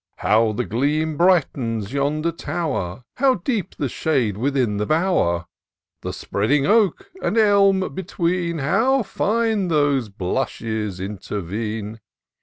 How the gleam brightens yonder tower ! How deep the shade within the bower ! The spreading oak and elm between, How fine those blushes intervene